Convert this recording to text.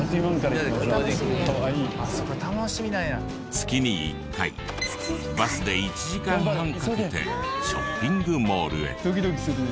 月に１回バスで１時間半かけてショッピングモールへ。